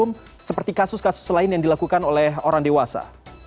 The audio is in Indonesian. atau tetap harus dihukum seperti kasus kasus lain yang dilakukan oleh orang dewasa